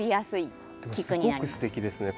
すごくすてきですね。